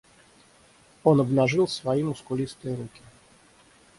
Он обнажил свои мускулистые руки.